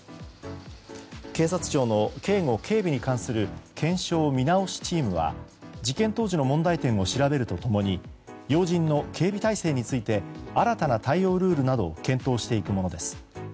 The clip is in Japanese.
警察庁の警護・警備に関する検証・見直しチームは事件当時の問題点を調べると共に要人の警備態勢について新たな対応ルールなどを検討していくものです。